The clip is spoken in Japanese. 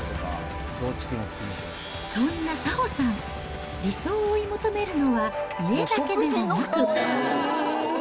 そんな早穂さん、理想を追い求めるのは、家だけではなく。